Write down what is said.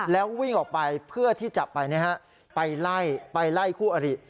แล้ววิ่งออกไปเพื่อที่จะไปไล่ไปไล่คู่อริ